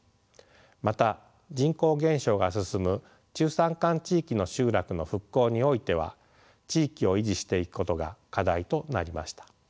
また人口減少が進む中山間地域の集落の復興においては地域を維持していくことが課題となりました。